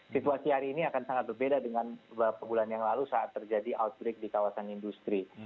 situasi hari ini akan sangat berbeda dengan beberapa bulan yang lalu saat terjadi outbreak di kawasan industri